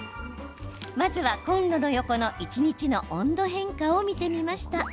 まずは、コンロの横の一日の温度変化を見てみました。